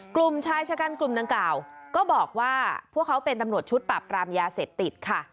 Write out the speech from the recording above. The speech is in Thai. กลุ่มชายชะกันกลุ่มดังกล่าวก็บอกว่าพวกเขาเป็นตำรวจชุดปรับปรามยาเสพติดค่ะ